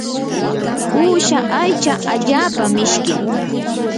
uusha aycha allaapa mishkim.